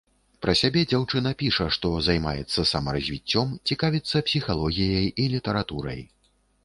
Пра сябе дзяўчына піша, што займаецца самаразвіццём, цікавіцца псіхалогіяй і літаратурай.